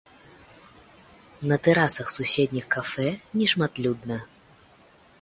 На тэрасах суседніх кафэ нешматлюдна.